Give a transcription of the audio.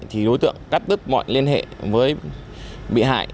thì đối tượng cắt đứt mọi liên hệ với bị hại